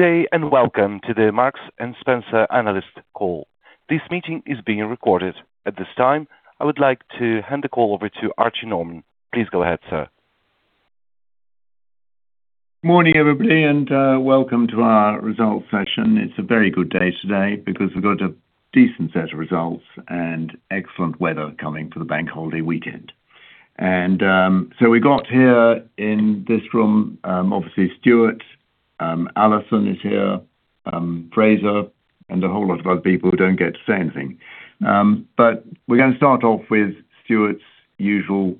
Day and welcome to the Marks & Spencer Analyst call. This meeting is being recorded. At this time, I would like to hand the call over to Archie Norman. Please go ahead, sir. Morning, everybody, and welcome to our results session. It's a very good day today because we've got a decent set of results and excellent weather coming for the bank holiday weekend. We've got here in this room, obviously, Stuart, Alison is here, Fraser, and a whole lot of other people who don't get to say anything. We're going to start off with Stuart's usual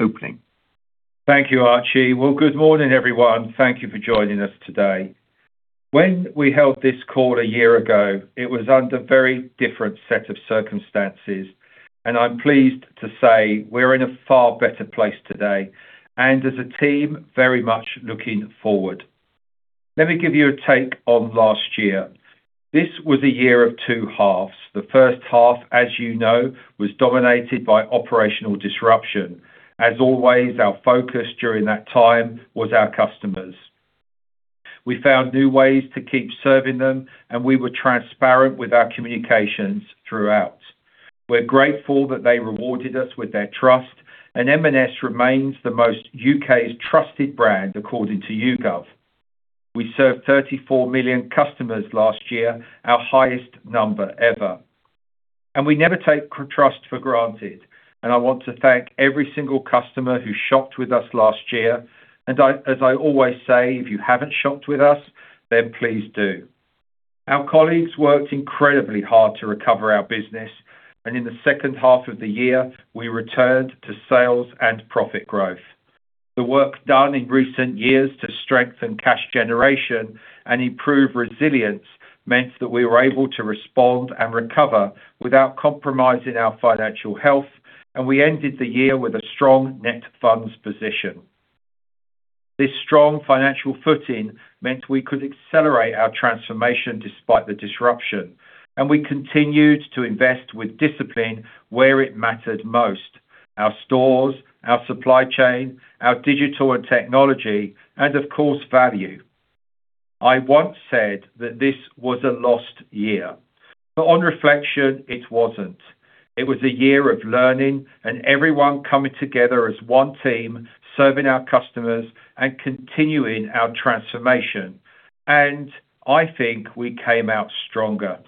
opening. Thank you, Archie. Well, good morning, everyone. Thank you for joining us today. When we held this call a year ago, it was under a very different set of circumstances, and I'm pleased to say we're in a far better place today and as a team very much looking forward. Let me give you a take on last year. This was a year of two halves. The first half, as you know, was dominated by operational disruption. As always, our focus during that time was our customers. We found new ways to keep serving them, and we were transparent with our communications throughout. We're grateful that they rewarded us with their trust, and M&S remains the most U.K.'s trusted brand according to YouGov. We served 34 million customers last year, our highest number ever. We never take trust for granted, and I want to thank every single customer who shopped with us last year. As I always say, if you haven't shopped with us, then please do. Our colleagues worked incredibly hard to recover our business, and in the second half of the year, we returned to sales and profit growth. The work done in recent years to strengthen cash generation and improve resilience meant that we were able to respond and recover without compromising our financial health, and we ended the year with a strong net funds position. This strong financial footing meant we could accelerate our transformation despite the disruption, and we continued to invest with discipline where it mattered most: our stores, our supply chain, our digital and technology, and of course, value. I once said that this was a lost year, but on reflection, it wasn't. It was a year of learning and everyone coming together as one team serving our customers and continuing our transformation. I think we came out stronger.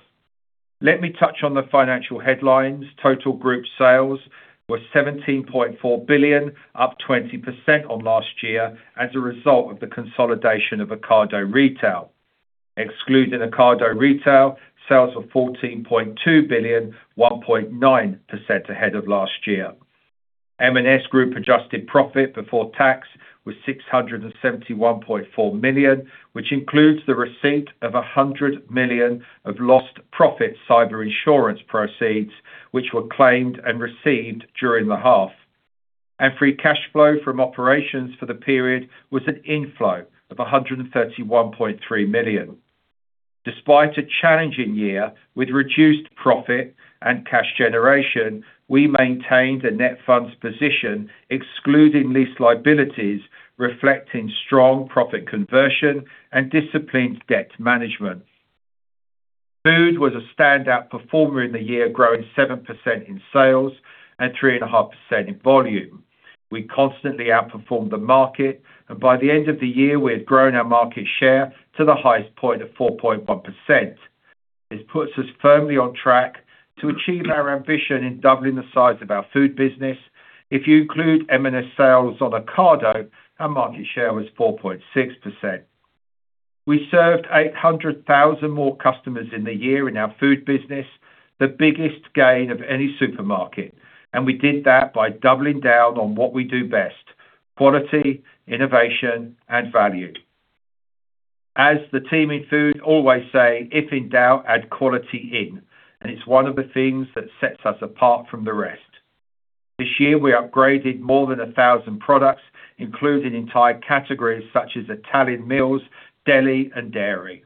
Let me touch on the financial headlines. Total group sales were 17.4 billion, up 20% on last year as a result of the consolidation of Ocado Retail. Excluding Ocado Retail, sales were 14.2 billion, 1.9% ahead of last year. M&S Group adjusted profit before tax was 671.4 million, which includes the receipt of 100 million of lost profit cyber insurance proceeds, which were claimed and received during the half. Free cash flow from operations for the period was an inflow of 131.3 million. Despite a challenging year with reduced profit and cash generation, we maintained a net funds position excluding lease liabilities, reflecting strong profit conversion and disciplined debt management. Food was a standout performer in the year, growing 7% in sales and 3.5% in volume. We constantly outperformed the market, and by the end of the year, we had grown our market share to the highest point of 4.1%. This puts us firmly on track to achieve our ambition in doubling the size of our food business. If you include M&S sales on Ocado, our market share was 4.6%. We served 800,000 more customers in the year in our food business, the biggest gain of any supermarket, and we did that by doubling down on what we do best: quality, innovation, and value. As the team in food always say, "If in doubt, add quality in," and it's one of the things that sets us apart from the rest. This year, we upgraded more than 1,000 products, including entire categories such as Italian meals, deli, and dairy.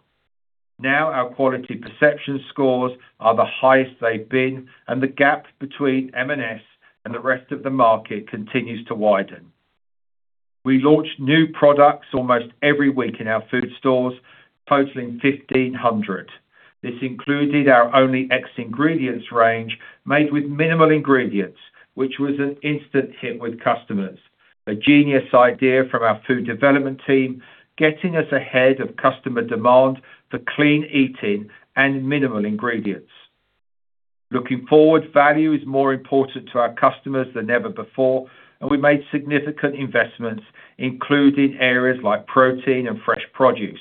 Our quality perception scores are the highest they've been, and the gap between M&S and the rest of the market continues to widen. We launched new products almost every week in our food stores, totaling 1,500. This included our Only ex-ngredients range made with minimal ingredients, which was an instant hit with customers, a genius idea from our food development team getting us ahead of customer demand for clean eating and minimal ingredients. Looking forward, value is more important to our customers than ever before. We made significant investments, including areas like protein and fresh produce.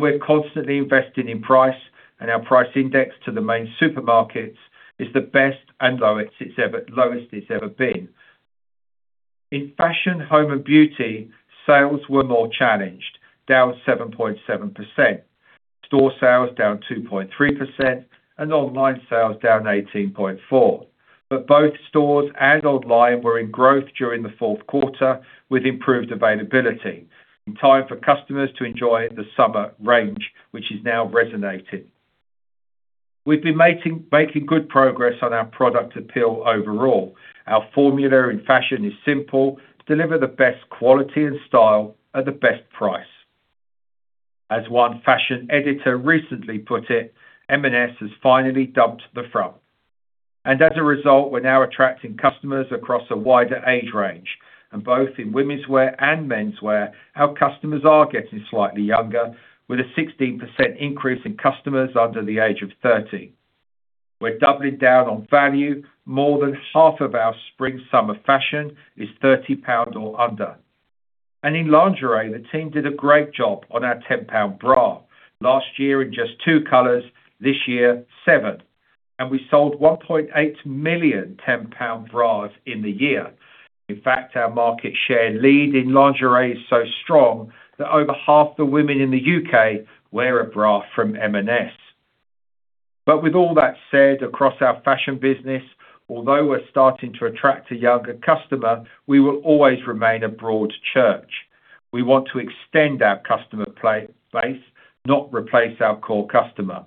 We're constantly investing in price. Our price index to the main supermarkets is the best and lowest it's ever been. In fashion, home, and beauty, sales were more challenged, down 7.7%, store sales down 2.3%, and online sales down 18.4%. Both stores and online were in growth during the fourth quarter with improved availability, in time for customers to enjoy the summer range, which is now resonating. We've been making good progress on our product appeal overall. Our formula in fashion is simple: deliver the best quality and style at the best price. As one fashion editor recently put it, "M&S has finally dumped the frump." As a result, we're now attracting customers across a wider age range, and both in womenswear and menswear, our customers are getting slightly younger, with a 16% increase in customers under the age of 30. We're doubling down on value. More than half of our spring/summer fashion is 30 pound or under. In lingerie, the team did a great job on our 10 pound bra. Last year in just two colors, this year seven. We sold 1.8 million 10 pound bras in the year. In fact, our market share lead in lingerie is so strong that over half the women in the U.K. wear a bra from M&S. With all that said, across our fashion business, although we're starting to attract a younger customer, we will always remain a broad church. We want to extend our customer base, not replace our core customer.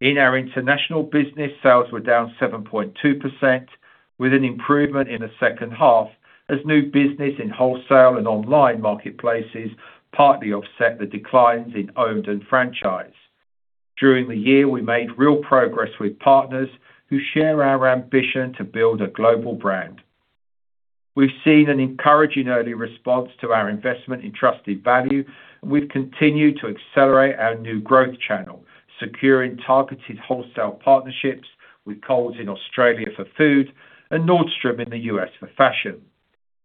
In our international business, sales were down 7.2%, with an improvement in the second half as new business in wholesale and online marketplaces partly offset the declines in owned and franchise. During the year, we made real progress with partners who share our ambition to build a global brand. We've seen an encouraging early response to our investment in trusted value, and we've continued to accelerate our new growth channel, securing targeted wholesale partnerships with Coles in Australia for food and Nordstrom in the U.S. for fashion.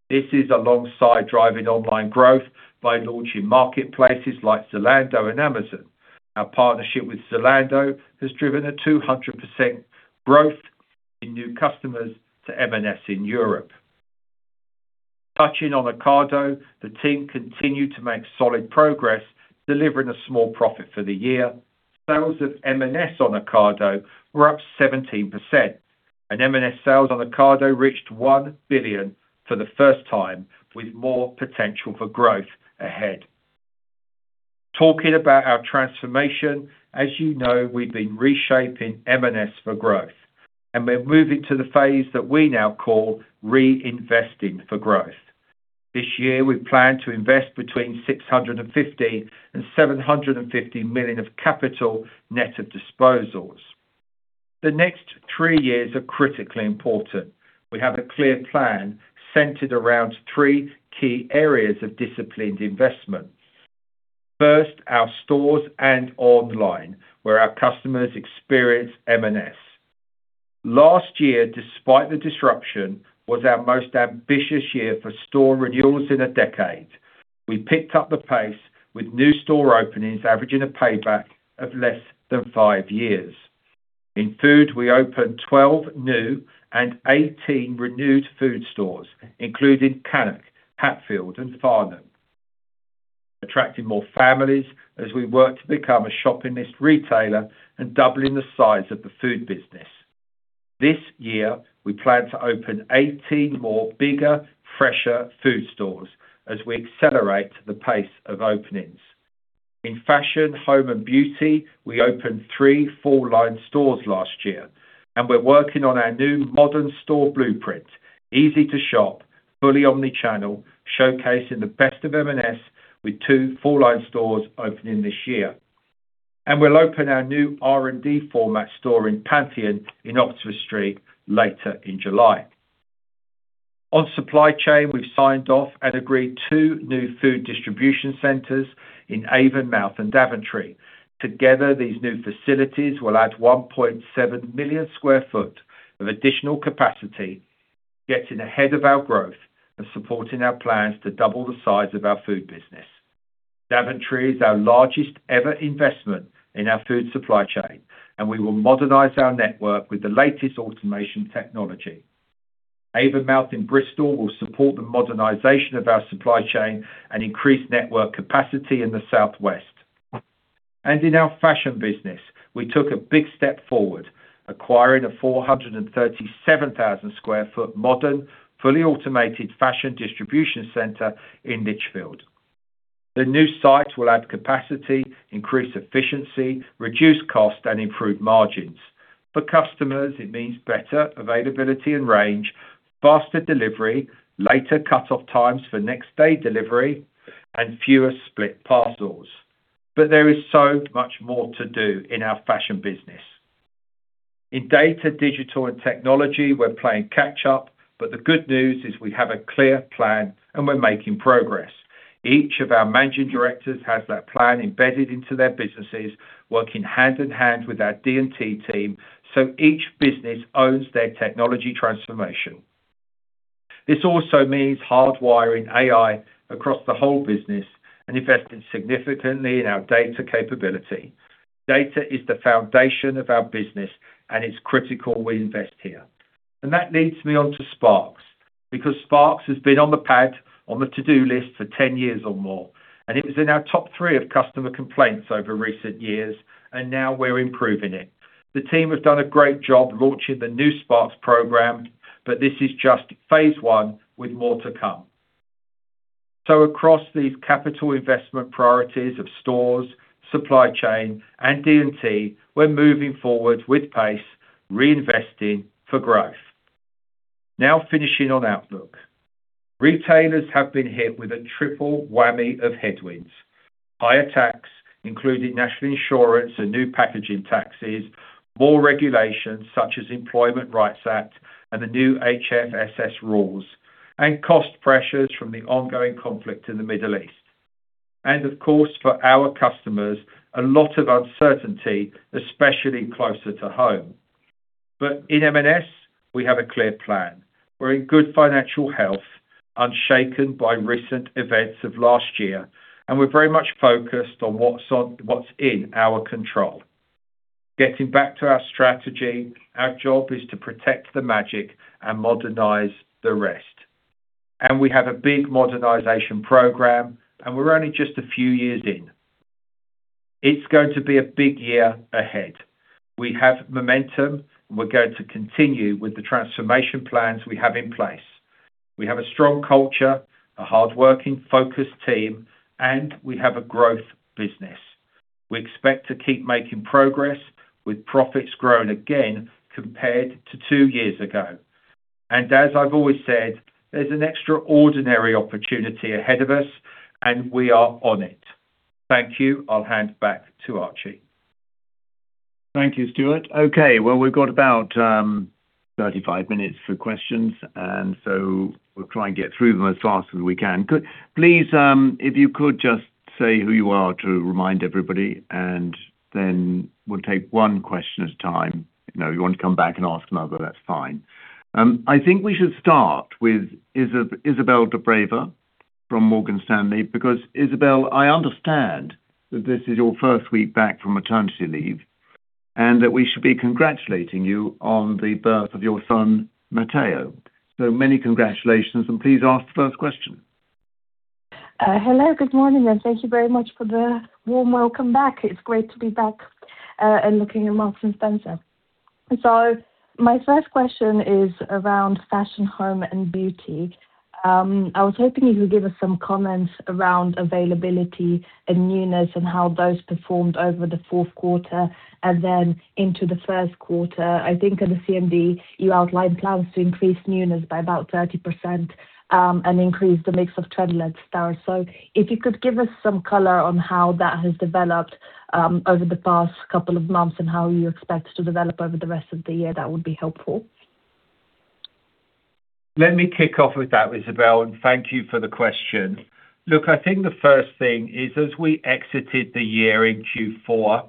This is alongside driving online growth by launching marketplaces like Zalando and Amazon. Our partnership with Zalando has driven a 200% growth in new customers to M&S in Europe. Touching on Ocado, the team continued to make solid progress, delivering a small profit for the year. Sales of M&S on Ocado were up 17%, and M&S sales on Ocado reached 1 billion for the first time, with more potential for growth ahead. Talking about our transformation, as you know, we've been reshaping M&S for growth, and we're moving to the phase that we now call reinvesting for growth. This year, we plan to invest between 650 million and 750 million of capital net of disposals. The next three years are critically important. We have a clear plan centered around three key areas of disciplined investment. First, our stores and online, where our customers experience M&S. Last year, despite the disruption, was our most ambitious year for store renewals in a decade. We picked up the pace with new store openings averaging a payback of less than five years. In food, we opened 12 new and 18 renewed food stores, including Cannock, Hatfield, and Farnham, attracting more families as we work to become a shopping list retailer and doubling the size of the food business. This year, we plan to open 18 more bigger, fresher food stores as we accelerate the pace of openings. In fashion, home, and beauty, we opened three full-line stores last year, and we're working on our new modern store blueprint: easy to shop, fully omnichannel, showcasing the best of M&S with two full-line stores opening this year. We'll open our new R&D format store in Pantheon in Oxford Street later in July. On supply chain, we've signed off and agreed two new food distribution centers in Avonmouth and Daventry. Together, these new facilities will add 1.7 million square foot of additional capacity, getting ahead of our growth and supporting our plans to double the size of our food business. Daventry is our largest ever investment in our food supply chain, and we will modernize our network with the latest automation technology. Avonmouth and Bristol will support the modernization of our supply chain and increase network capacity in the southwest. In our fashion business, we took a big step forward, acquiring a 437,000 sq ft modern, fully automated fashion distribution center in Lichfield. The new site will add capacity, increase efficiency, reduce cost, and improve margins. For customers, it means better availability and range, faster delivery, later cutoff times for next-day delivery, and fewer split parcels. There is so much more to do in our fashion business. In data, digital, and technology, we're playing catch-up, but the good news is we have a clear plan, and we're making progress. Each of our managing directors has that plan embedded into their businesses, working hand in hand with our D&T team so each business owns their technology transformation. This also means hardwiring AI across the whole business and investing significantly in our data capability. Data is the foundation of our business, and it's critical we invest here. That leads me onto Sparks because Sparks has been on the pad, on the to-do list for 10 years or more, it was in our top three of customer complaints over recent years, and now we're improving it. The team have done a great job launching the new Sparks programme, but this is just phase one with more to come. Across these capital investment priorities of stores, supply chain, and D&T, we're moving forward with pace, reinvesting for growth. Now finishing on Outlook. Retailers have been hit with a triple whammy of headwinds: higher taxes, including national insurance and new packaging taxes, more regulations such as the Employment Rights Act and the new HFSS rules, and cost pressures from the ongoing conflict in the Middle East. Of course, for our customers, a lot of uncertainty, especially closer to home. In M&S, we have a clear plan. We're in good financial health, unshaken by recent events of last year, and we're very much focused on what's in our control. Getting back to our strategy, our job is to protect the magic and modernize the rest. We have a big modernization program, and we're only just a few years in. It's going to be a big year ahead. We have momentum, and we're going to continue with the transformation plans we have in place. We have a strong culture, a hardworking, focused team, and we have a growth business. We expect to keep making progress with profits growing again compared to two years ago. As I've always said, there's an extraordinary opportunity ahead of us, and we are on it. Thank you. I'll hand back to Archie. Thank you, Stuart. Okay. Well, we've got about 35 minutes for questions, and so we'll try and get through them as fast as we can. Please, if you could, just say who you are to remind everybody, and then we'll take one question at a time. If you want to come back and ask another, that's fine. I think we should start with Isabel de Brava from Morgan Stanley because, Isabel, I understand that this is your first week back from maternity leave and that we should be congratulating you on the birth of your son, Matteo. Many congratulations, and please ask the first question. Hello. Good morning, and thank you very much for the warm welcome back. It's great to be back and looking at Marks & Spencer. My first question is around fashion, home, and beauty. I was hoping you could give us some comments around availability and newness and how those performed over the fourth quarter and then into the first quarter. I think at the CMD, you outlined plans to increase newness by about 30% and increase the mix of trade-ups, so if you could give us some color on how that has developed over the past couple of months and how you expect it to develop over the rest of the year, that would be helpful. Let me kick off with that, Isabel, and thank you for the question. Look, I think the first thing is as we exited the year in Q4,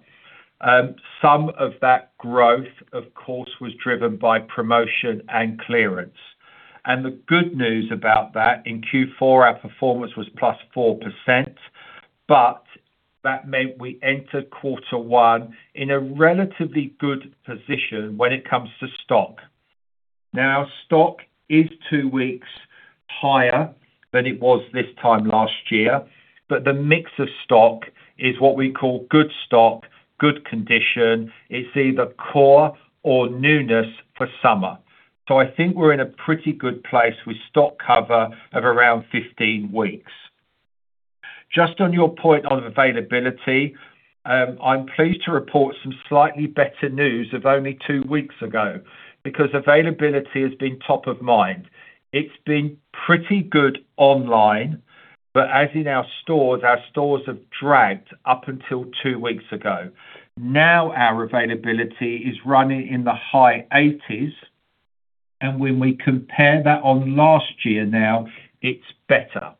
some of that growth, of course, was driven by promotion and clearance. The good news about that, in Q4, our performance was +4%, but that meant we entered quarter one in a relatively good position when it comes to stock. Now, stock is two weeks higher than it was this time last year, but the mix of stock is what we call good stock, good condition. It's either core or newness for summer. I think we're in a pretty good place with stock cover of around 15 weeks. Just on your point of availability, I'm pleased to report some slightly better news of only two weeks ago because availability has been top of mind. It's been pretty good online, as in our stores, our stores have dragged up until two weeks ago. Our availability is running in the high 80s, and when we compare that on last year now, it's better.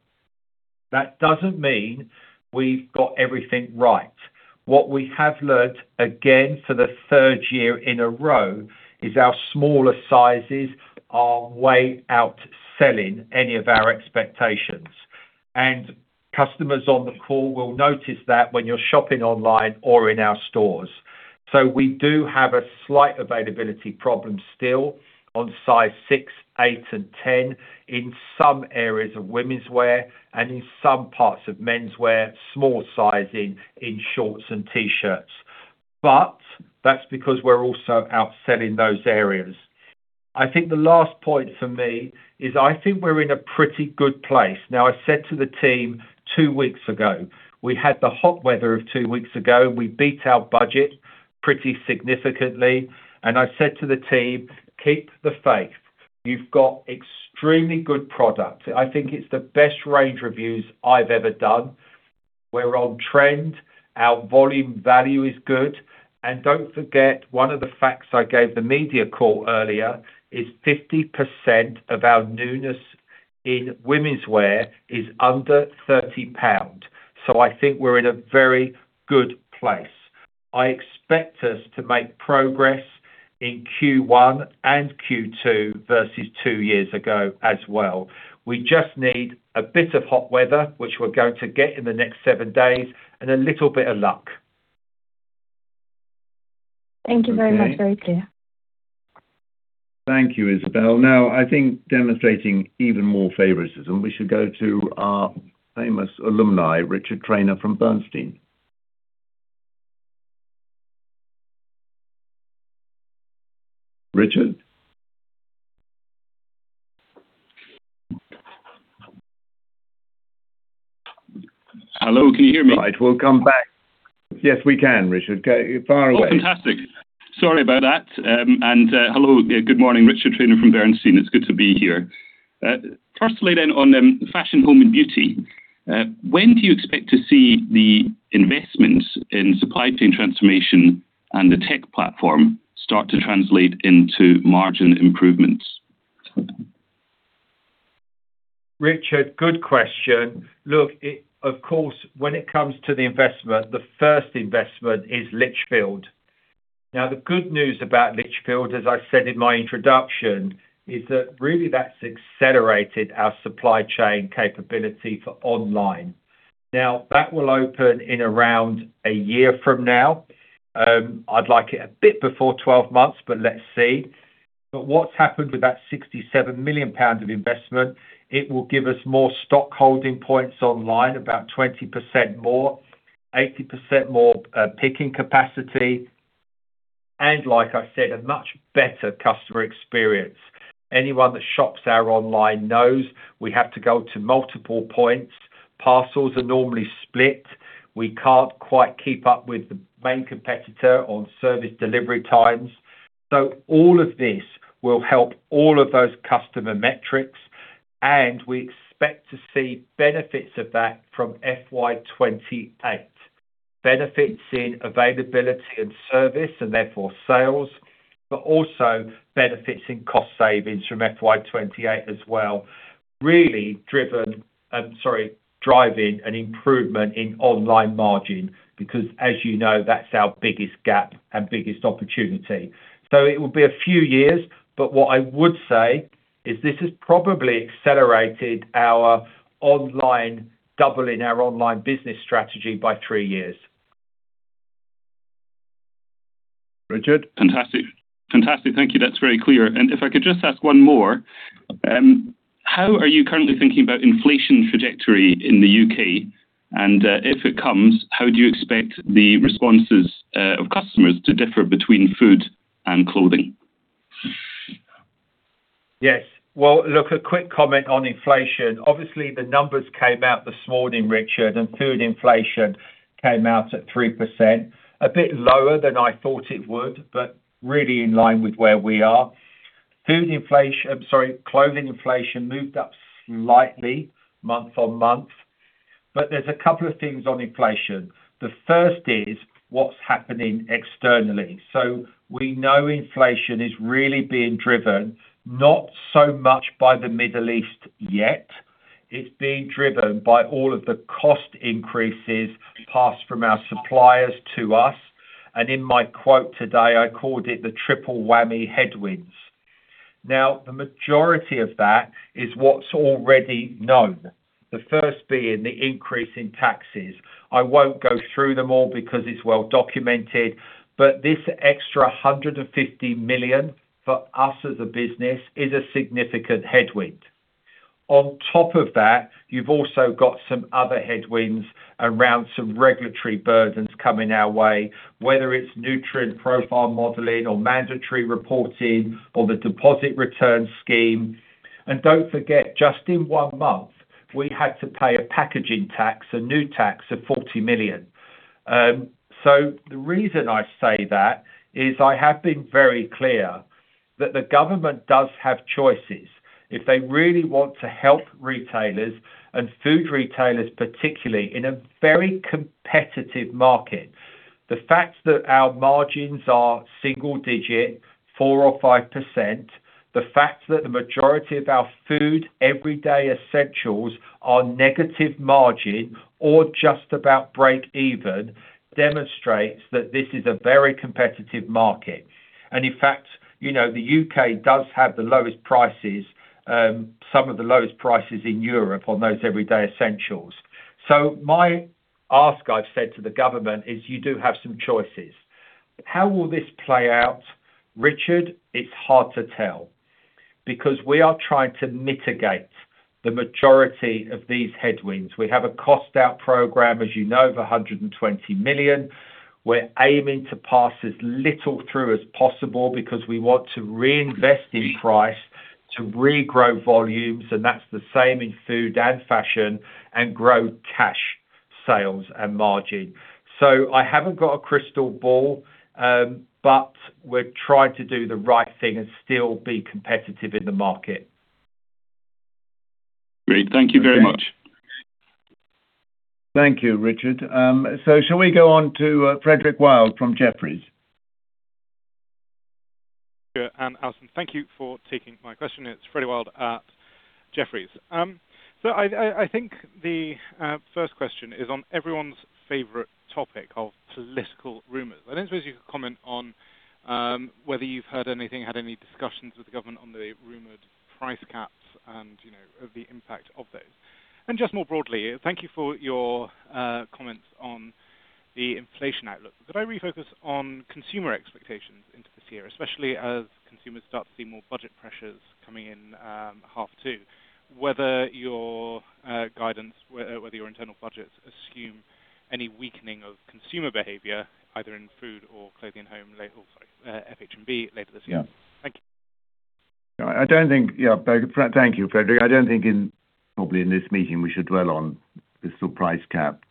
That doesn't mean we've got everything right. What we have learned, again, for the third year in a row is our smaller sizes are way outselling any of our expectations. Customers on the call will notice that when you're shopping online or in our stores. We do have a slight availability problem still on size six, eight, and 10 in some areas of womenswear and in some parts of menswear, small sizing in shorts and T-shirts. That's because we're also outselling those areas. I think the last point for me is I think we're in a pretty good place. I said to the team two weeks ago, we had the hot weather of two weeks ago, and we beat our budget pretty significantly. I said to the team, "Keep the faith. You've got extremely good product." I think it's the best range reviews I've ever done. We're on trend. Our volume value is good. Don't forget, one of the facts I gave the media call earlier is 50% of our newness in womenswear is under 30 pounds. I think we're in a very good place. I expect us to make progress in Q1 and Q2 versus two years ago as well. We just need a bit of hot weather, which we're going to get in the next seven days, and a little bit of luck. Thank you very much. Very clear. Thank you, Isabel. I think demonstrating even more favoritism, we should go to our famous alumni, Richard Trainor from Bernstein. Richard? Hello. Can you hear me? Right. We'll come back. Yes, we can, Richard. Fire away. Oh, fantastic. Sorry about that. Hello. Good morning, Richard Trainor from Bernstein. It's good to be here. Firstly, on fashion, home, and beauty, when do you expect to see the investments in supply chain transformation and the tech platform start to translate into margin improvements? Richard, good question. Look, of course, when it comes to the investment, the first investment is Lichfield. The good news about Lichfield, as I said in my introduction, is that really that's accelerated our supply chain capability for online. That will open in around one year from now. I'd like it a bit before 12 months, but let's see. What's happened with that 67 million pounds of investment? It will give us more stock holding points online, about 20% more, 80% more picking capacity, and like I said, a much better customer experience. Anyone that shops our online knows we have to go to multiple points. Parcels are normally split. We can't quite keep up with the main competitor on service delivery times. All of this will help all of those customer metrics, and we expect to see benefits of that from FY 2028, benefits in availability and service and therefore sales, but also benefits in cost savings from FY 2028 as well, really driving an improvement in online margin because, as you know, that's our biggest gap and biggest opportunity. It will be a few years, but what I would say is this has probably accelerated our online doubling our online business strategy by three years. Richard? Fantastic. Thank you. That's very clear. If I could just ask one more, how are you currently thinking about inflation trajectory in the U.K.? If it comes, how do you expect the responses of customers to differ between food and clothing? Yes. Well, look, a quick comment on inflation. Obviously, the numbers came out this morning, Richard, and food inflation came out at 3%, a bit lower than I thought it would, but really in line with where we are. Food inflation, I'm sorry, clothing inflation, moved up slightly month-on-month. There's a couple of things on inflation. The first is what's happening externally. We know inflation is really being driven, not so much by the Middle East yet. It's being driven by all of the cost increases passed from our suppliers to us. In my quote today, I called it the triple whammy headwinds. Now, the majority of that is what's already known, the first being the increase in taxes. I won't go through them all because it's well documented. This extra 150 million for us as a business is a significant headwind. On top of that, you've also got some other headwinds around some regulatory burdens coming our way, whether it's nutrient profiling model or mandatory reporting or the deposit return scheme. Don't forget, just in 1 month, we had to pay a packaging tax, a new tax of 40 million. The reason I say that is I have been very clear that the government does have choices. If they really want to help retailers and food retailers particularly in a very competitive market, the fact that our margins are single digit, 4% or 5%, the fact that the majority of our food, everyday essentials, are negative margin or just about break-even demonstrates that this is a very competitive market. In fact, the U.K. does have some of the lowest prices in Europe on those everyday essentials. My ask, I've said, to the government is you do have some choices. How will this play out? Richard, it's hard to tell because we are trying to mitigate the majority of these headwinds. We have a cost-out program, as you know, of 120 million. We're aiming to pass as little through as possible because we want to reinvest in price to regrow volumes, and that's the same in food and fashion, and grow cash sales and margin. I haven't got a crystal ball, but we're trying to do the right thing and still be competitive in the market. Great. Thank you very much. Thank you, Richard. Shall we go on to Frederick Wild from Jefferies? Archie, thank you for taking my question. It's Frederick Wild at Jefferies. I think the first question is on everyone's favorite topic of political rumors. I don't suppose you could comment on whether you've heard anything, had any discussions with the government on the rumored price caps and the impact of those. Just more broadly, thank you for your comments on the inflation outlook. Could I refocus on consumer expectations into this year, especially as consumers start to see more budget pressures coming in half two, whether your guidance, whether your internal budgets assume any weakening of consumer behavior, either in food or clothing and home oh, sorry FH&B later this year? Thank you. I don't think, thank you, Freddie. I don't think probably in this meeting we should dwell on this sort of price cap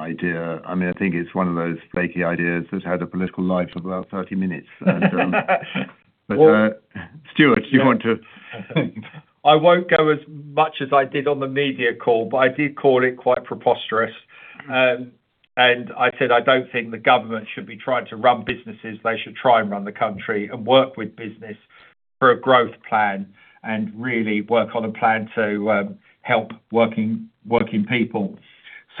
idea. I mean, I think it's one of those flaky ideas that's had a political life of about 30 minutes. Stuart, do you want to? I won't go as much as I did on the media call, but I did call it quite preposterous. I said I don't think the government should be trying to run businesses. They should try and run the country and work with business for a growth plan and really work on a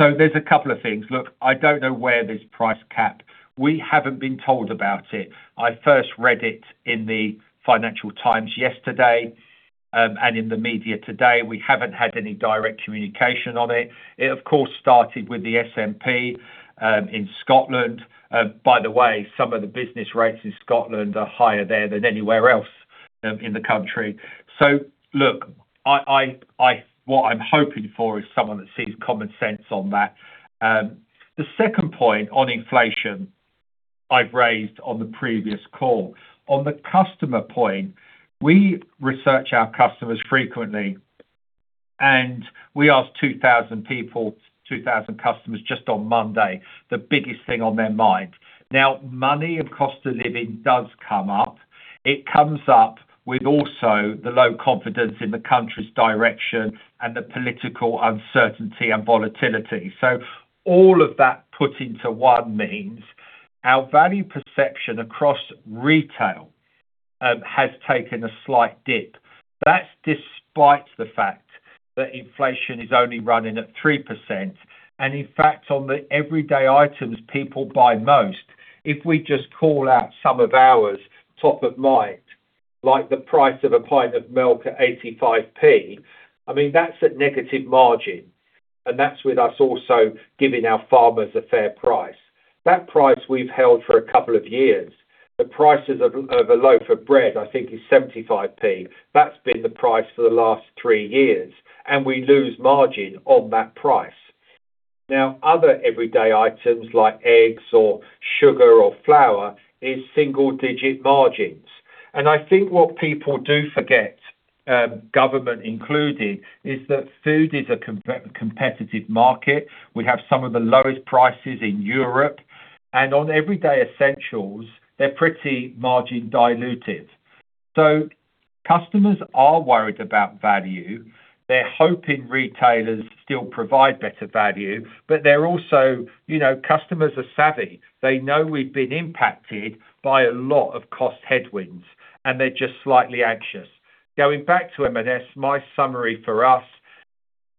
plan to help working people. There's a couple of things. Look, I don't know where this price cap. We haven't been told about it. I first read it in the Financial Times yesterday and in the media today. We haven't had any direct communication on it. It, of course, started with the SNP in Scotland. By the way, some of the business rates in Scotland are higher there than anywhere else in the country. Look, what I'm hoping for is someone that sees common sense on that. The second point on inflation I've raised on the previous call, on the customer point, we research our customers frequently, and we asked 2,000 people, 2,000 customers just on Monday, the biggest thing on their mind. Money and cost of living does come up. It comes up with also the low confidence in the country's direction and the political uncertainty and volatility. All of that put into one means our value perception across retail has taken a slight dip. That's despite the fact that inflation is only running at 3%. In fact, on the everyday items people buy most, if we just call out some of ours top of mind, like the price of a pint of milk at 0.85, I mean, that's at negative margin, and that's with us also giving our farmers a fair price. That price we've held for a couple of years. The prices of a loaf of bread, I think, is 0.75. That's been the price for the last three years, and we lose margin on that price. Other everyday items like eggs or sugar or flour is single-digit margins. I think what people do forget, government included, is that food is a competitive market. We have some of the lowest prices in Europe. On everyday essentials, they're pretty margin dilutive. Customers are worried about value. They're hoping retailers still provide better value. Customers are savvy. They know we've been impacted by a lot of cost headwinds, and they're just slightly anxious. Going back to M&S, my summary for us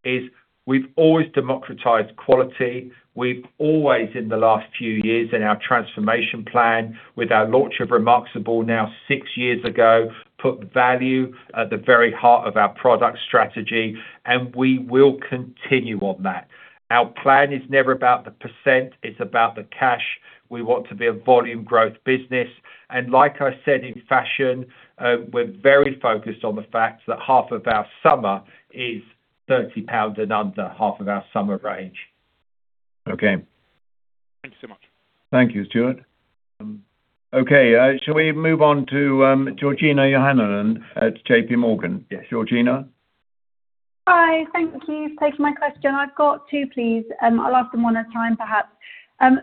is we've always democratized quality. We've always, in the last few years in our transformation plan, with our launch of Remarksable now six years ago, put value at the very heart of our product strategy, and we will continue on that. Our plan is never about the percent. It's about the cash. We want to be a volume growth business. Like I said, in fashion, we're very focused on the fact that half of our summer is 30 pound and under half of our summer range. Okay. Thank you so much. Thank you, Stuart. Okay. Shall we move on to Georgina Johanan at JPMorgan? Yes, Georgina? Hi. Thank you for taking my question. I've got two, please. I'll ask them one at a time, perhaps.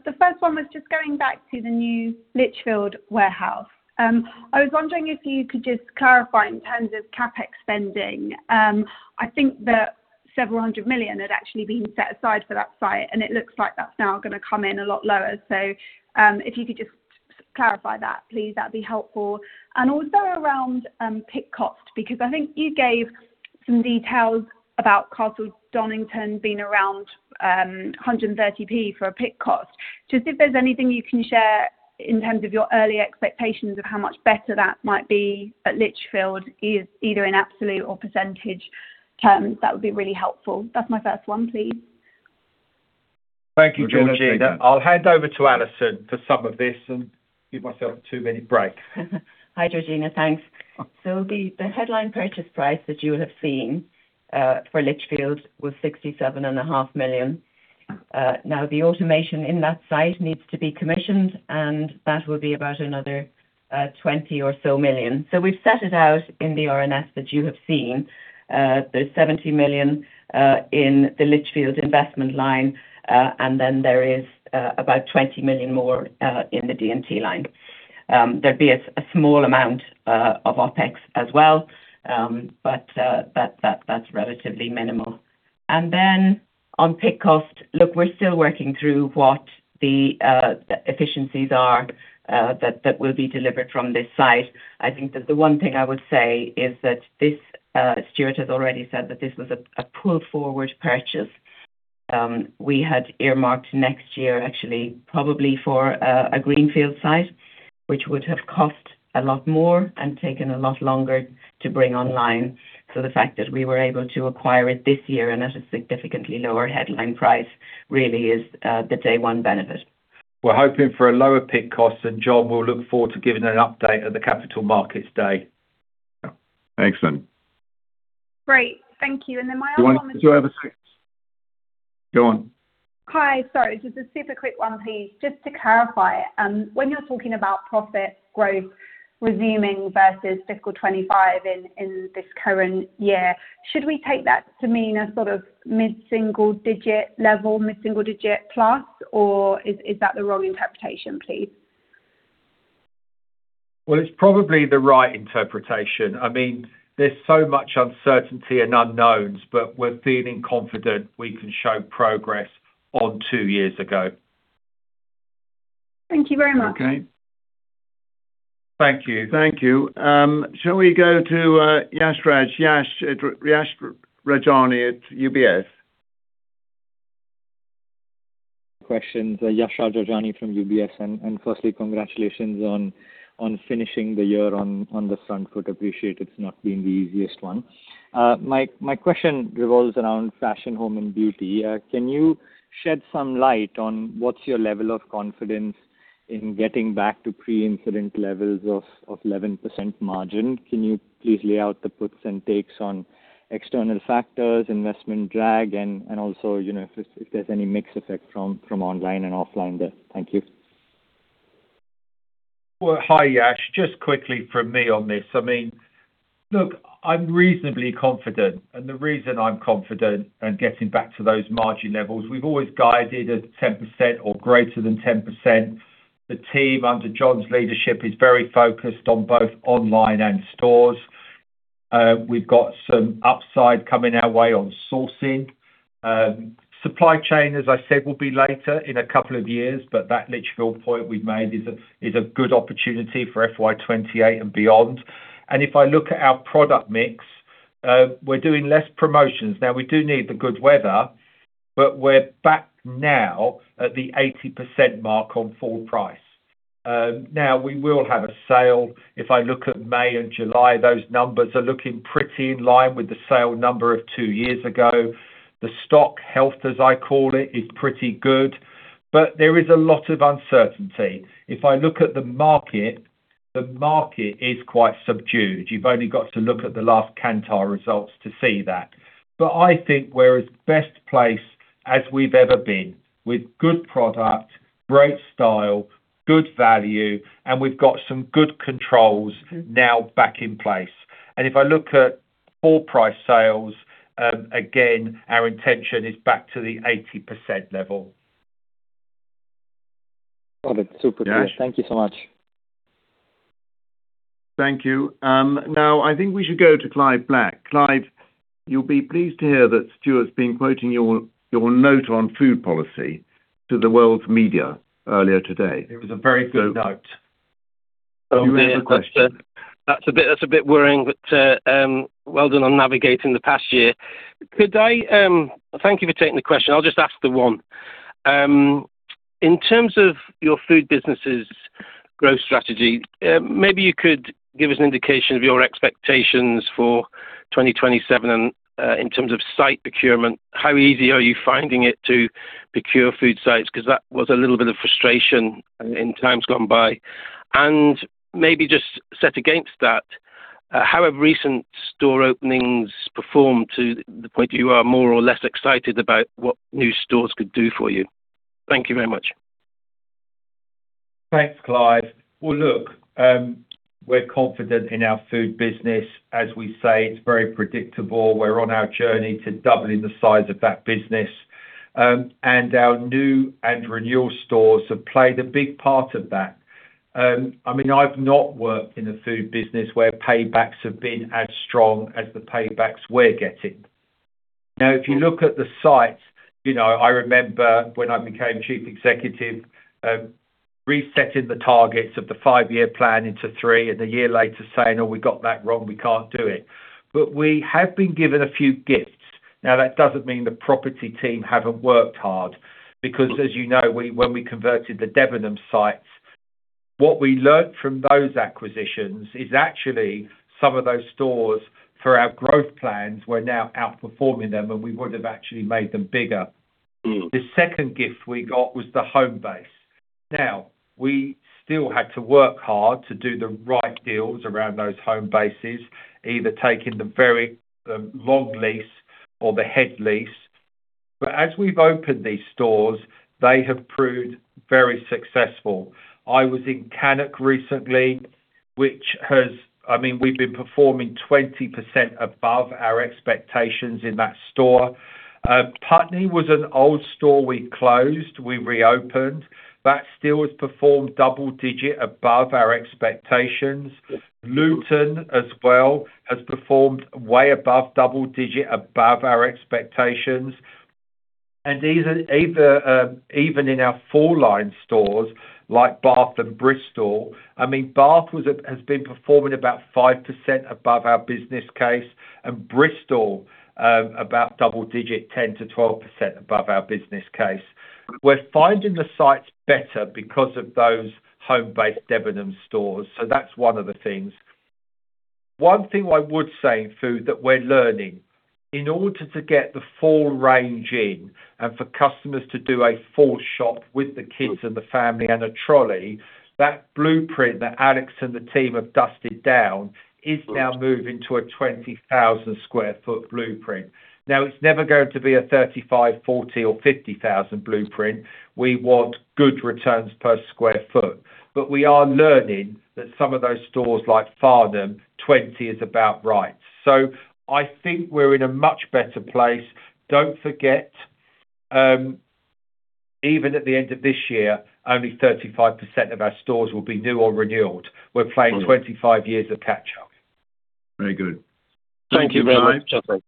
The first one was just going back to the new Lichfield warehouse. I was wondering if you could just clarify in terms of CAPEX spending. I think that several hundred million GBP had actually been set aside for that site, and it looks like that's now going to come in a lot lower. If you could just clarify that, please, that'd be helpful. Also around pick cost because I think you gave some details about Castle Donington being around 1.30 for a pick cost. Just if there's anything you can share in terms of your early expectations of how much better that might be at Lichfield, either in absolute or percentage terms, that would be really helpful. That's my first one, please. Thank you, Georgina. I'll hand over to Alison for some of this and give myself a two minute break. Hi, Georgina. Thanks. The headline purchase price that you will have seen for Lichfield was 67 and a half million. Now, the automation in that site needs to be commissioned, and that will be about another 20 or so million. We've set it out in the RNS that you have seen. There's 70 million in the Lichfield investment line, and then there is about 20 million more in the D&T line. There'd be a small amount of OPEX as well, but that's relatively minimal. Then on pick cost, look, we're still working through what the efficiencies are that will be delivered from this site. I think that the one thing I would say is that Stuart has already said that this was a pull-forward purchase. We had earmarked next year, actually, probably for a Greenfield site, which would have cost a lot more and taken a lot longer to bring online. The fact that we were able to acquire it this year and at a significantly lower headline price really is the day-one benefit. We're hoping for a lower pick cost, and John will look forward to giving an update at the Capital Markets Day. Yeah. Thanks, Anne. Great. Thank you. My other comment. Do you want to do it over sec? Go on. Hi. Sorry. Just a super quick one, please. Just to clarify, when you're talking about profit growth resuming versus fiscal 2025 in this current year, should we take that to mean a sort of mid-single-digit level, mid-single-digit plus, or is that the wrong interpretation, please? Well, it's probably the right interpretation. I mean, there's so much uncertainty and unknowns, but we're feeling confident we can show progress on two years ago. Thank you very much. Okay. Thank you. Thank you. Shall we go to Yashraj? Yashraj Rajani at UBS? Questions. Yashraj Rajani from UBS. Firstly, congratulations on finishing the year on the front foot. Appreciate it's not been the easiest one. My question revolves around fashion, home, and beauty. Can you shed some light on what's your level of confidence in getting back to pre-incident levels of 11% margin? Can you please lay out the puts and takes on external factors, investment drag, and also if there's any mix effect from online and offline there? Thank you. Well, hi, Yash. Just quickly from me on this. I mean, look, I'm reasonably confident. The reason I'm confident in getting back to those margin levels, we've always guided at 10% or greater than 10%. The team under John's leadership is very focused on both online and stores. We've got some upside coming our way on sourcing. Supply chain, as I said, will be later in two years, but that Lichfield point we've made is a good opportunity for FY 2028 and beyond. If I look at our product mix, we're doing less promotions. Now, we do need the good weather, but we're back now at the 80% mark on full price. Now, we will have a sale. If I look at May and July, those numbers are looking pretty in line with the sale number of two years ago. The stock health, as I call it, is pretty good. There is a lot of uncertainty. If I look at the market, the market is quite subdued. You've only got to look at the last Kantar results to see that. I think we're as best placed as we've ever been with good product, great style, good value, and we've got some good controls now back in place. If I look at full price sales, again, our intention is back to the 80% level. Got it. Super. Thank Thank you so much. Thank you. Now, I think we should go to Clive Black. Clive, you'll be pleased to hear that Stuart's been quoting your note on food policy to the world's media earlier today. It was a very good note. Do you have a question? That's a bit worrying, but well done on navigating the past year. Thank you for taking the question. I'll just ask the one. In terms of your food business's growth strategy, maybe you could give us an indication of your expectations for 2027 in terms of site procurement. How easy are you finding it to procure food sites? That was a little bit of frustration in times gone by. Maybe just set against that, how have recent store openings performed to the point you are more or less excited about what new stores could do for you? Thank you very much. Thanks, Clive. Well, look, we're confident in our food business. As we say, it's very predictable. We're on our journey to doubling the size of that business. Our new and renewal stores have played a big part of that. I mean, I've not worked in a food business where paybacks have been as strong as the paybacks we're getting. Now, if you look at the sites, I remember when I became chief executive resetting the targets of the five-year plan into three and a year later saying, "Oh, we got that wrong. We can't do it." We have been given a few gifts. That doesn't mean the property team haven't worked hard because, as you know, when we converted the Debenhams sites, what we learned from those acquisitions is actually some of those stores for our growth plans were now outperforming them, and we would have actually made them bigger. The second gift we got was the Homebase. We still had to work hard to do the right deals around those Homebases, either taking the very long lease or the head lease. As we've opened these stores, they have proved very successful. I was in Cannock recently, which has I mean, we've been performing 20% above our expectations in that store. Putney was an old store we closed. We reopened. That still has performed double-digit above our expectations. Luton as well has performed way above double-digit above our expectations. Even in our four line stores like Bath and Bristol, I mean, Bath has been performing about 5% above our business case and Bristol about double-digit, 10%-12% above our business case. We're finding the sites better because of those Homebase Debenhams stores. That's one of the things. One thing I would say in food that we're learning, in order to get the full range in and for customers to do a full shop with the kids and the family and a trolley, that blueprint that Alison and the team have dusted down is now moving to a 20,000 sq ft blueprint. It's never going to be a 35,000 sq ft, 40,000 sq ft, or 50,000 sq ft blueprint. We want good returns per square foot. We are learning that some of those stores like Farnham, 20, 000 sq ft is about right. I think we're in a much better place. Don't forget, even at the end of this year, only 35% of our stores will be new or renewed. We're playing 25 years of catch-up. Very good. Thank you very much Machin.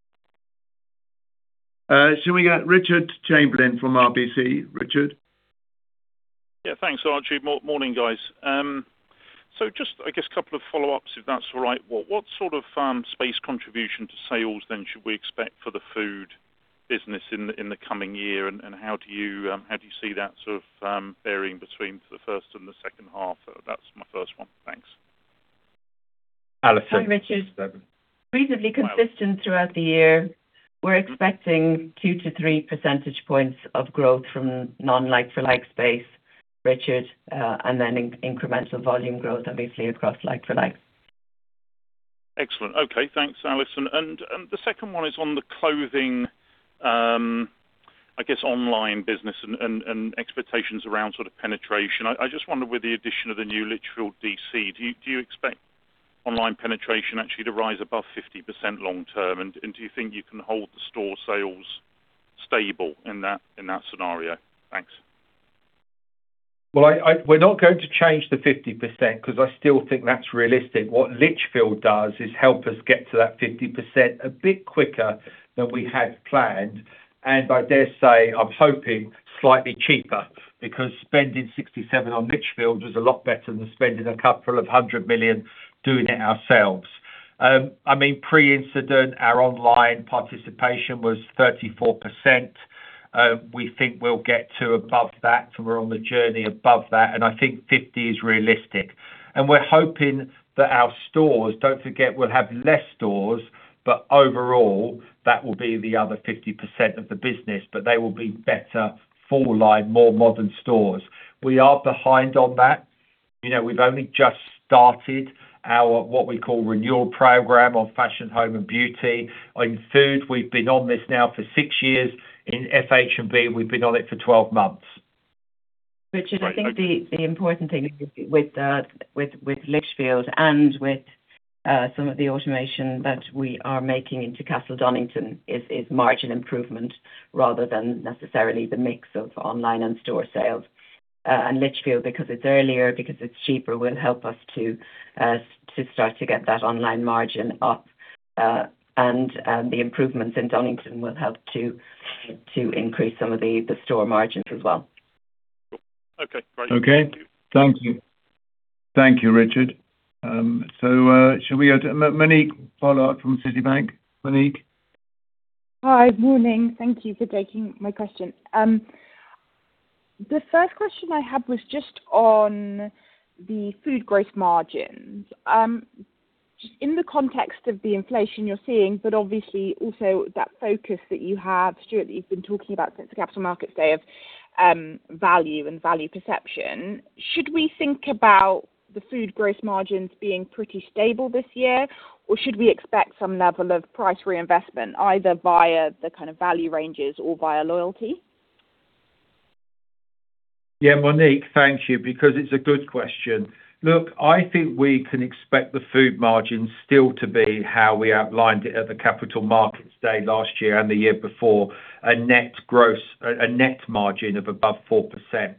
Shall we get Richard Chamberlain from RBC? Richard? Yeah. Thanks, Archie. Morning, guys. Just, I guess, a couple of follow-ups, if that's all right. What sort of space contribution to sales then should we expect for the food business in the coming year, and how do you see that sort of varying between the first and the second half? That's my first one. Thanks. Alison. Hi, Richard. Reasonably consistent throughout the year. We're expecting 2 to 3 percentage points of growth from non-like-for-like space, Richard, and then incremental volume growth, obviously, across like-for-likes. Excellent. Okay. Thanks, Alison. The second one is on the clothing, I guess, online business and expectations around sort of penetration. I just wonder, with the addition of the new Lichfield DC, do you expect online penetration actually to rise above 50% long-term? Do you think you can hold the store sales stable in that scenario? Thanks. We're not going to change the 50% because I still think that's realistic. What Lichfield does is help us get to that 50% a bit quicker than we had planned. I dare say, I'm hoping, slightly cheaper because spending 67 on Lichfield was a lot better than spending 200 million doing it ourselves. I mean, pre-incident, our online participation was 34%. We think we'll get to above that, and we're on the journey above that. I think 50% is realistic. We're hoping that our stores don't forget, we'll have less stores, but overall, that will be the other 50% of the business, but they will be better four-line, more modern stores. We are behind on that. We've only just started what we call renewal program on fashion, home, and beauty. In food, we've been on this now for six years. In FH&B, we've been on it for 12 months. Richard, I think the important thing with Lichfield and with some of the automation that we are making into Castle Donington is margin improvement rather than necessarily the mix of online and store sales. Lichfield, because it's earlier, because it's cheaper, will help us to start to get that online margin up. The improvements in Donington will help to increase some of the store margins as well. Okay. Great. Okay. Thank you. Thank you, Richard. Shall we go to Monique, follow-up from Citi? Monique? Hi. Good morning. Thank you for taking my question. The 1st question I had was just on the food gross margins. Just in the context of the inflation you're seeing, but obviously also that focus that you have, Stuart, that you've been talking about since the Capital Markets Day of value and value perception, should we think about the food gross margins being pretty stable this year, or should we expect some level of price reinvestment either via the kind of value ranges or via loyalty? Yeah, Monique, thank you because it's a good question. Look, I think we can expect the food margins still to be how we outlined it at the Capital Markets Day last year and the year before, a net margin of above 4%.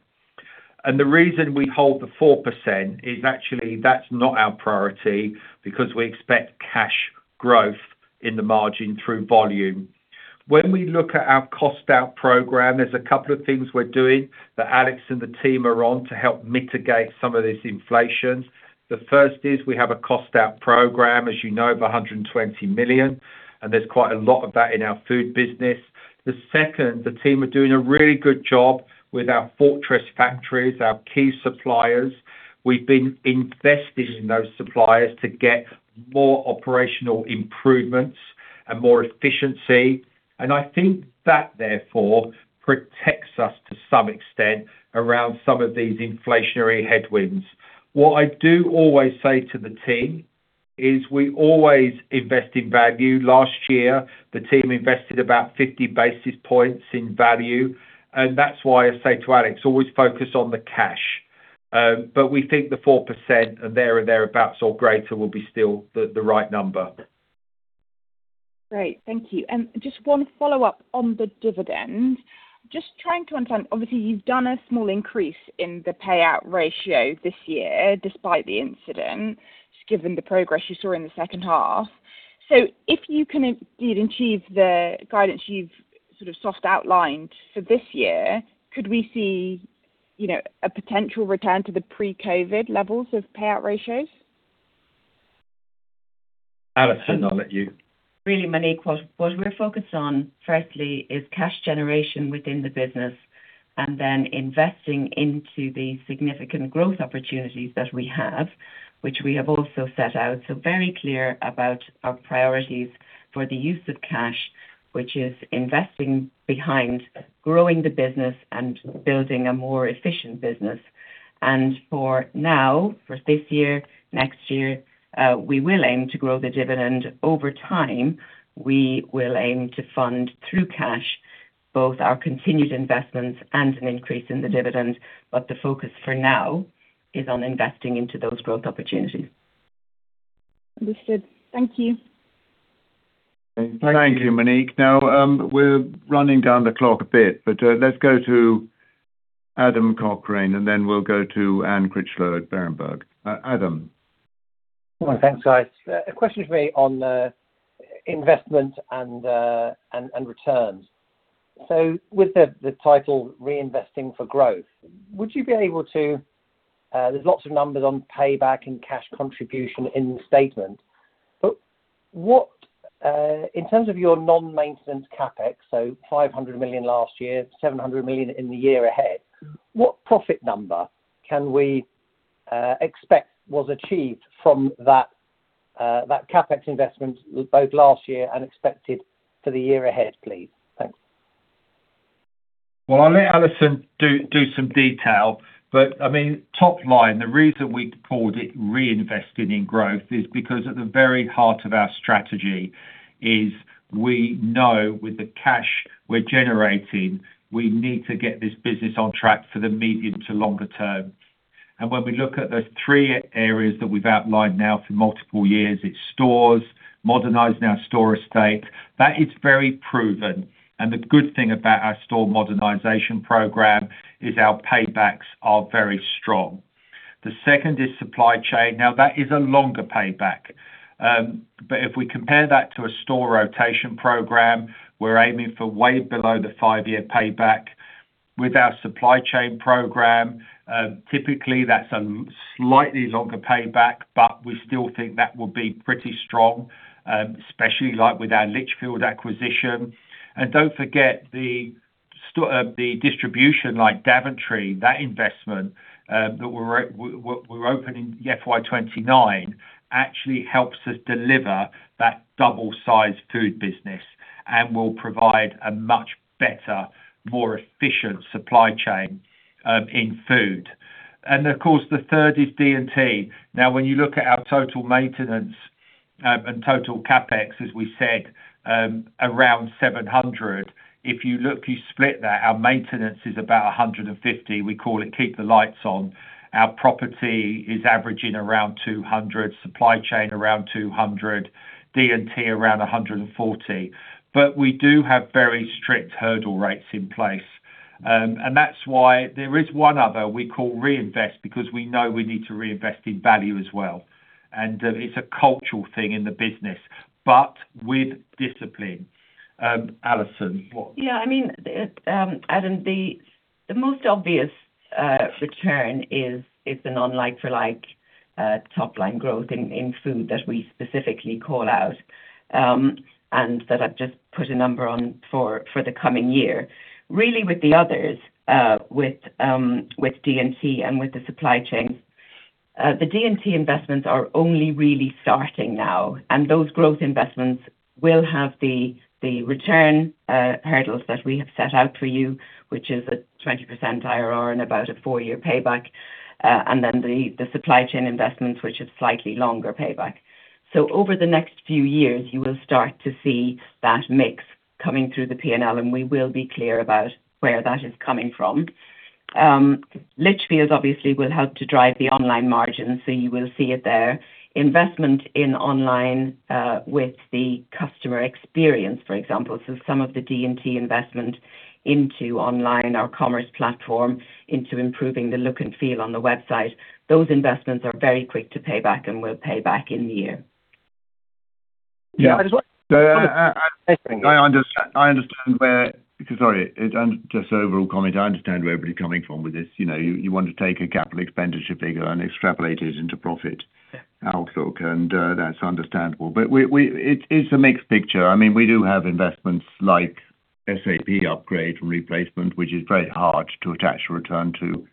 The reason we hold the 4% is actually that's not our priority because we expect cash growth in the margin through volume. When we look at our cost-out program, there's a couple of things we're doing that Alex and the team are on to help mitigate some of this inflation. The first is we have a cost-out program, as you know, of 120 million, and there's quite a lot of that in our food business. The second, the team are doing a really good job with our fortress factories, our key suppliers. We've been investing in those suppliers to get more operational improvements and more efficiency. I think that, therefore, protects us to some extent around some of these inflationary headwinds. What I do always say to the team is we always invest in value. Last year, the team invested about 50 basis points in value. That's why I say to Alex, always focus on the cash. We think the 4% and thereabouts or greater will be still the right number. Great. Thank you. Just one follow-up on the dividend. Just trying to understand, obviously, you've done a small increase in the payout ratio this year despite COVID, just given the progress you saw in the second half. If you can indeed achieve the guidance you've sort of soft outlined for this year, could we see a potential return to the pre-COVID levels of payout ratios? Alison, I'll let you. Really, Monique, what we're focused on, firstly, is cash generation within the business and then investing into the significant growth opportunities that we have, which we have also set out. Very clear about our priorities for the use of cash, which is investing behind growing the business and building a more efficient business. For now, for this year, next year, we will aim to grow the dividend. Over time, we will aim to fund through cash both our continued investments and an increase in the dividend. The focus for now is on investing into those growth opportunities. Understood. Thank you. Thank you, Monique. We're running down the clock a bit, but let's go to Adam Cochrane and then we'll go to Anne Critchlow at Berenberg. Adam? Thanks, guys. A question for me on investment and returns. With the title reinvesting for growth, would you be able to there's lots of numbers on payback and cash contribution in the statement. In terms of your non-maintenance CAPEX, 500 million last year, 700 million in the year ahead, what profit number can we expect was achieved from that CAPEX investment both last year and expected for the year ahead, please? I'll let Alison do some detail. I mean, top line, the reason we called it Reinvesting in Growth is because at the very heart of our strategy is we know with the cash we're generating, we need to get this business on track for the medium to longer term. When we look at those three areas that we've outlined now for multiple years, it's stores, modernize now store estate. That is very proven. The good thing about our store modernization program is our paybacks are very strong. The second is supply chain. That is a longer payback. If we compare that to a store rotation program, we're aiming for way below the five-year payback. With our supply chain program, typically, that's a slightly longer payback, but we still think that will be pretty strong, especially with our Lichfield acquisition. Don't forget the distribution like Daventry, that investment that we're opening the FY 2029 actually helps us deliver that double-sized food business and will provide a much better, more efficient supply chain in food. Of course, the third is D&T. When you look at our total maintenance and total CapEx, as we said, around 700, if you split that, our maintenance is about 150. We call it keep the lights on. Our property is averaging around 200, supply chain around 200, D&T around 140. We do have very strict hurdle rates in place. That's why there is one other we call reinvest because we know we need to reinvest in value as well. It's a cultural thing in the business, but with discipline. Alison, what? Yeah. I mean, Adam, the most obvious return is the non-like-for-like top-line growth in food that we specifically call out and that I've just put a number on for the coming year. Really, with the others, with D&T and with the supply chains, the D&T investments are only really starting now. Those growth investments will have the return hurdles that we have set out for you, which is a 20% IRR and about a four-year payback, and then the supply chain investments, which have slightly longer payback. Over the next few years, you will start to see that mix coming through the P&L, and we will be clear about where that is coming from. Lichfield, obviously, will help to drive the online margins, so you will see it there. Investment in online with the customer experience, for example, some of the D&T investment into online or commerce platform into improving the look and feel on the website, those investments are very quick to pay back and will pay back in the year. Yeah. I just want to say. I understand where everybody's coming from with this. You want to take a CAPEX figure and extrapolate it into profit outlook. That's understandable. It's a mixed picture. I mean, we do have investments like SAP upgrade and replacement, which is very hard to attach a return to.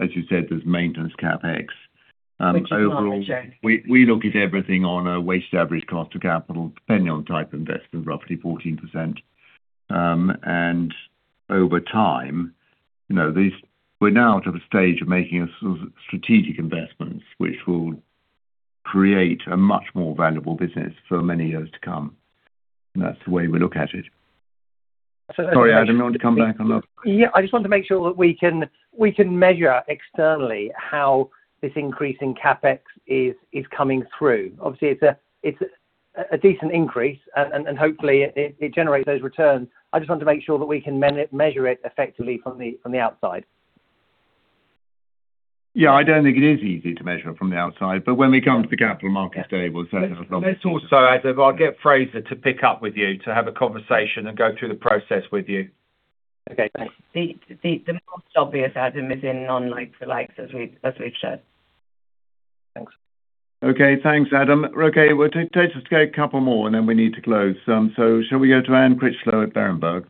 As you said, there's maintenance CAPEX. Overall, we look at everything on a weighted average cost of capital, depending on type investment, roughly 14%. Over time, we're now at a stage of making strategic investments which will create a much more valuable business for many years to come. That's the way we look at it. Sorry, Adam, you want to come back on that? Yeah. I just want to make sure that we can measure externally how this increase in CAPEX is coming through. Obviously, it's a decent increase, and hopefully, it generates those returns. I just want to make sure that we can measure it effectively from the outside. Yeah. I don't think it is easy to measure from the outside, but when we come to the Capital Markets Day, we'll set it as obvious. Let's also, Adam, I'll get Fraser to pick up with you to have a conversation and go through the process with you. Okay. Thanks. The most obvious, Adam, is in non-like-for-likes as we've shared. Thanks. Okay. Thanks, Adam. Okay. It takes us to go a couple more. We need to close. Shall we go to Anne Critchlow at Berenberg?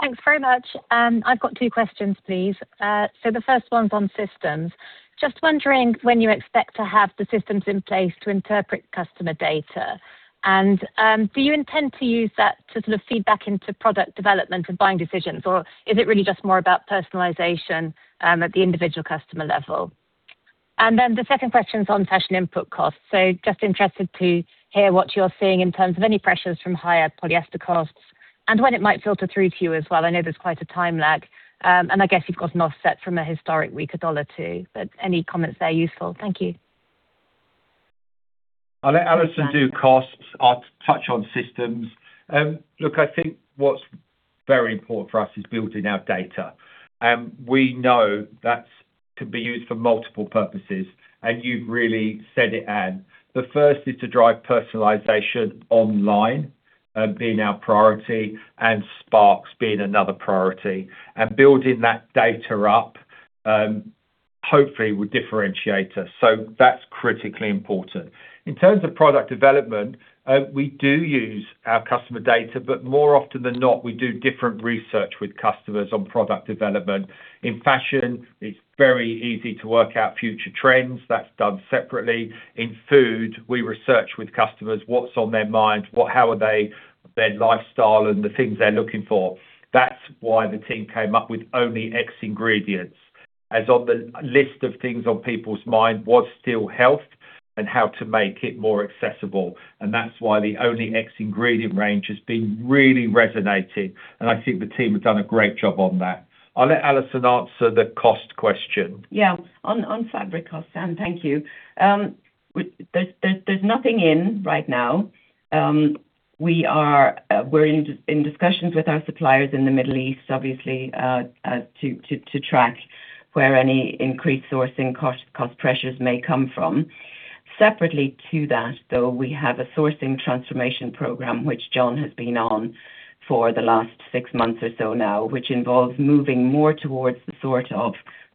Thanks very much. I've got two questions, please. The first one's on systems. Just wondering when you expect to have the systems in place to interpret customer data. Do you intend to use that to sort of feed back into product development and buying decisions, or is it really just more about personalization at the individual customer level? The second question's on fashion input costs. Just interested to hear what you're seeing in terms of any pressures from higher polyester costs and when it might filter through to you as well. I know there's quite a time lag. I guess you've got an offset from a historic weak U.S. dollar or two. Any comments there useful? Thank you. I'll let Alison do costs. I'll touch on systems. Look, I think what's very important for us is building our data. We know that can be used for multiple purposes, and you've really said it, Anne. The first is to drive personalization online being our priority and Sparks being another priority. Building that data up, hopefully, will differentiate us. That's critically important. In terms of product development, we do use our customer data, but more often than not, we do different research with customers on product development. In fashion, it's very easy to work out future trends. That's done separately. In food, we research with customers what's on their mind, how are they, their lifestyle, and the things they're looking for. That's why the team came up with Only... Ingredients, as on the list of things on people's mind was still health and how to make it more accessible. That's why the Only... Ingredients range has been really resonating, and I think the team have done a great job on that. I'll let Alison answer the cost question. On fabric costs, Anne, thank you. There's nothing in right now. We're in discussions with our suppliers in the Middle East, obviously, to track where any increased sourcing cost pressures may come from. Separately to that, though, we have a sourcing transformation program, which John has been on for the last six months or so now, which involves moving more towards the sort of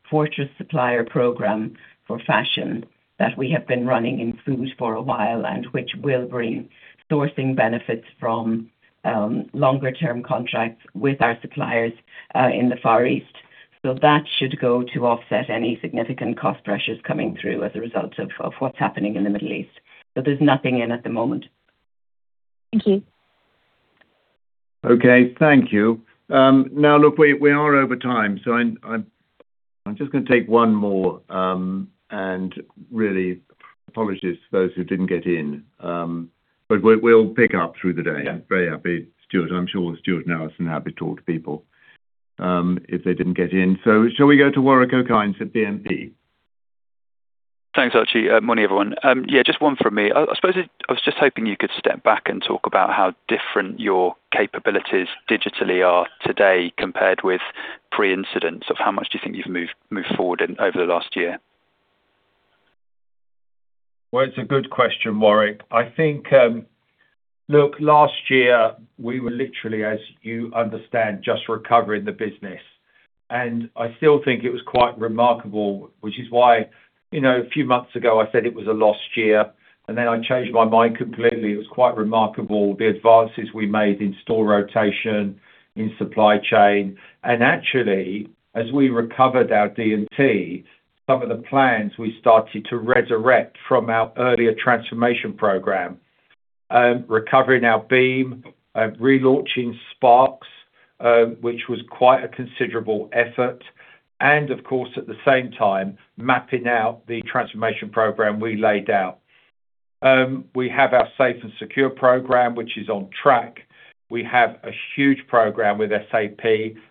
fortress supplier program for fashion that we have been running in food for a while and which will bring sourcing benefits from longer-term contracts with our suppliers in the Far East. That should go to offset any significant cost pressures coming through as a result of what's happening in the Middle East. There's nothing in at the moment. Thank you. Okay. Thank you. Look, we are over time, I'm just going to take one more and really apologies for those who didn't get in. We'll pick up through the day. Very happy. Stuart, I'm sure Stuart and Alison are happy to talk to people if they didn't get in. Shall we go to Warwick Okines at BNP? Thanks, Archie. Morning, everyone. Yeah, just one from me. I suppose I was just hoping you could step back and talk about how different your capabilities digitally are today compared with pre-incident. How much do you think you've moved forward over the last year? It's a good question, Warwick. Last year, we were literally, as you understand, just recovering the business. I still think it was quite remarkable, which is why a few months ago, I said it was a lost year. I changed my mind completely. It was quite remarkable, the advances we made in store rotation, in supply chain. Actually, as we recovered our D&T, some of the plans we started to resurrect from our earlier transformation program, recovering our BEAM, relaunching Sparks, which was quite a considerable effort, of course, at the same time, mapping out the transformation program we laid out. We have our Safe & Secure program, which is on track. We have a huge program with SAP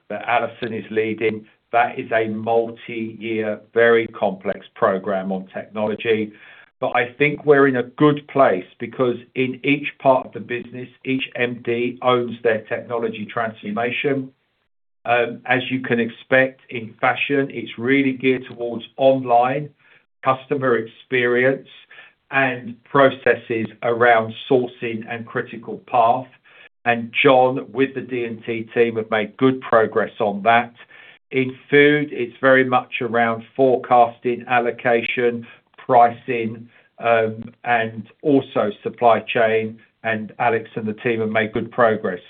that Alison is leading. That is a multi-year, very complex program on technology. I think we're in a good place because in each part of the business, each MD owns their technology transformation. As you can expect in fashion, it's really geared towards online customer experience and processes around sourcing and critical path. John, with the D&T team, have made good progress on that. In food, it's very much around forecasting, allocation, pricing, and also supply chain. Alex and the team have made good progress.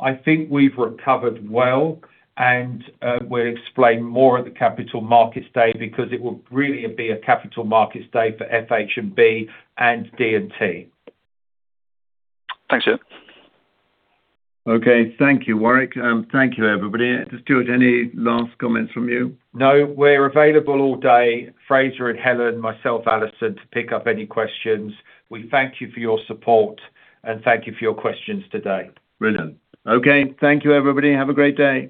I think we've recovered well, and we'll explain more at the Capital Markets Day because it will really be a Capital Markets Day for FH&B and D&T. Thanks, Stuart. Okay. Thank you, Warwick. Thank you, everybody. Stuart, any last comments from you? No. We're available all day, Fraser and Helen, myself, Alison, to pick up any questions. We thank you for your support, and thank you for your questions today. Brilliant. Okay. Thank you, everybody. Have a great day.